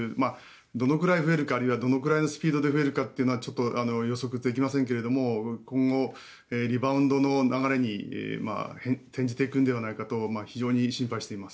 どのくらい増えるかあるいはどのくらいのスピードで増えるかというのはちょっと予測できませんけど今後、リバウンドの流れに転じていくのではないかと非常に心配しています。